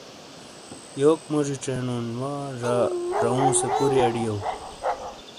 یوک موجی چھینون وا ژا چؤں سی کوری آڈیو ۔